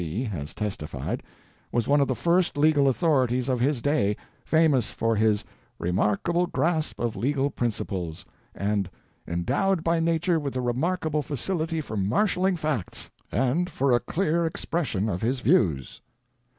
C., has testified, was one of the first legal authorities of his day, famous for his "remarkable grasp of legal principles," and "endowed by nature with a remarkable facility for marshaling facts, and for a clear expression of his views."